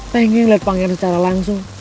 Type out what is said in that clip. pengen lihat pangeran secara langsung